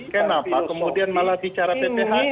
kenapa kemudian malah bicara pph